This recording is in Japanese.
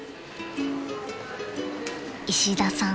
［石田さん